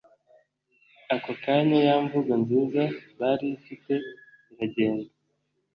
akokanya yamvugo nziza barifite iragenda